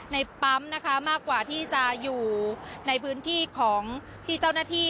ในปั๊มนะคะมากกว่าที่จะอยู่ในพื้นที่ของที่เจ้าหน้าที่